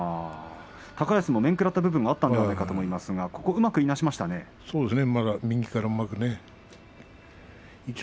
高安も面食らった部分があったと思いますけれどもうまくいなしましたね。